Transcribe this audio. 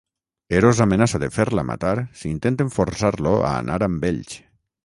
Eros amenaça de fer-la matar si intenten forçar-lo a anar amb ells.